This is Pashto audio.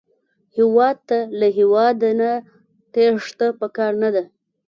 هېواد ته له هېواده نه تېښته پکار نه ده